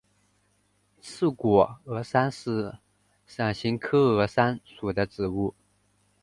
刺果峨参是伞形科峨参属的植物。